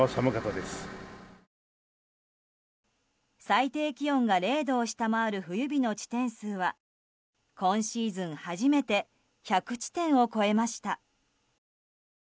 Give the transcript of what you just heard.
最低気温が０度を下回る冬日の地点数は今シーズン初めて１００地点を超えました。